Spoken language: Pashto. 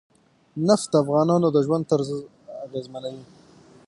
نفت د افغانانو د ژوند طرز اغېزمنوي.